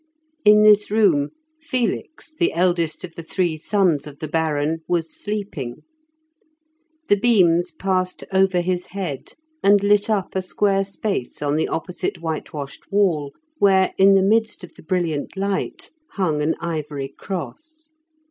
In this room Felix, the eldest of the three sons of the Baron, was sleeping. The beams passed over his head, and lit up a square space on the opposite whitewashed wall, where, in the midst of the brilliant light, hung an ivory cross.